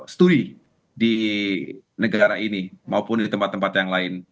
studi di negara ini maupun di tempat tempat yang lain